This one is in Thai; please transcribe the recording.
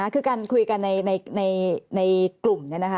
คือการคุยกันในกลุ่ม